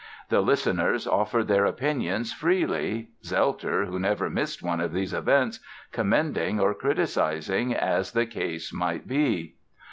The listeners offered their opinions freely, Zelter (who never missed one of these events) commending or criticising, as the case might be.